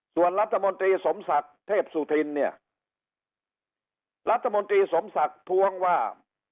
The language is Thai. ส่วนรัฐมนตรีสมศักดิ์เทพสุธินเนี่ยรัฐมนตรีสมศักดิ์ท้วงว่า